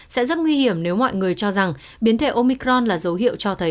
sẽ rất nguy hiểm nếu mọi người cho rằng biến thể omicron là dấu hiệu cho thấy